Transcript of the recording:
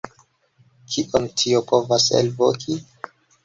Kion tio povas elvoki?